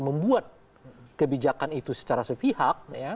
membuat kebijakan itu secara sepihak